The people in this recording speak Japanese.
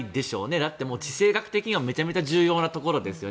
だって、地政学的にはめちゃめちゃ重要なところですから。